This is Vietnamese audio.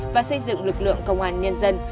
và xây dựng lực lượng công an nhân dân